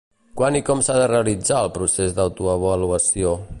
Quan i com s'ha de realitzar el procés d'autoavaluació?